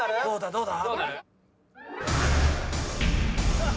どうだ？